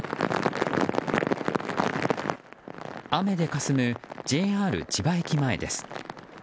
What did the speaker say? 雨でかすむＪＲ千葉駅前です。